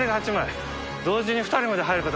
同時に２人まで入ることができる。